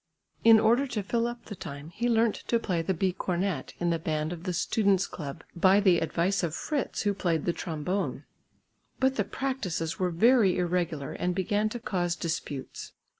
In order to fill up the time, he learnt to play the B cornet in the band of the students' club by the advice of Fritz who played the trombone. But the practices were very irregular and began to cause disputes.